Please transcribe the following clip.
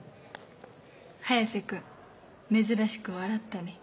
早瀬君珍しく笑ったね。